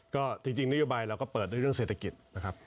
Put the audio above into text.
ก็จริงนโยบายเราก็เปิดด้วยเรื่องเศรษฐกิจนะครับ